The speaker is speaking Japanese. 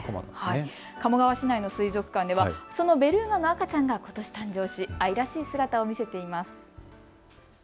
鴨川市内の水族館ではそのベルーガの赤ちゃんがことし誕生し、愛らしい姿を見せています。